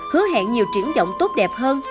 hứa hẹn nhiều triển vọng tốt đẹp hơn